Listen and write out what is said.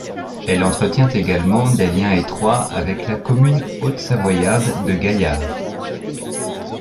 Elle entretient également des liens étroits avec la commune haut-savoyarde de Gaillard.